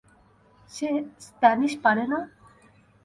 সে Spanish পারে না?